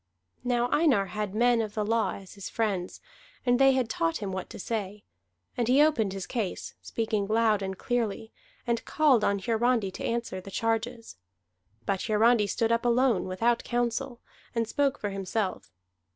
Now Einar had men of the law as his friends, and they had taught him what to say. And he opened the case, speaking loud and clearly, and called on Hiarandi to answer the charges. But Hiarandi stood up alone, without counsel, and spoke for himself.